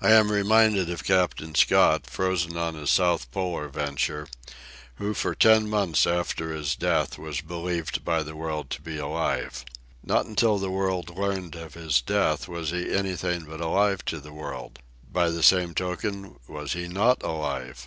I am reminded of Captain Scott, frozen on his south polar venture, who for ten months after his death was believed by the world to be alive. Not until the world learned of his death was he anything but alive to the world. By the same token, was he not alive?